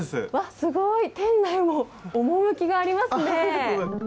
すごい、店内も趣がありますね。